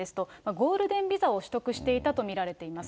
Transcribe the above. ゴールデンビザを取得していたと見られています。